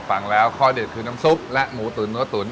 ฟังแล้วข้อเด็ดคือน้ำซุปและหมูตุ๋นเนื้อตุ๋น